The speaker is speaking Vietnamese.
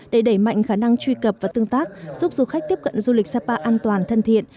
để đẩy mạnh khả năng truy cập và tương tác giúp du khách tiếp cận du lịch sapa an toàn thân thiện